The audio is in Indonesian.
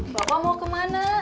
bapak mau kemana